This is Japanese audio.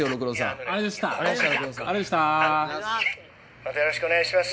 またよろしくお願いします。